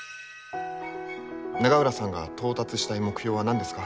永浦さんが到達したい目標は何ですか？